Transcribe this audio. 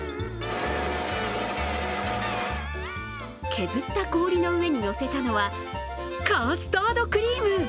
削った氷の上に乗せたのはカスタードクリーム！